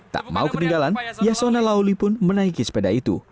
tak mau ketinggalan yasona lauli pun menaiki sepeda itu